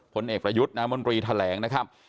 ผลเอกประยุทธ์นามนตรีแถลงนะครับ